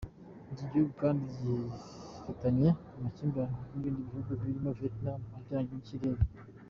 Icyo gihugu kandi gifitanye amakimbirane n’ibindi bihugu birimo Vietnam, ajyanye n’ikirere.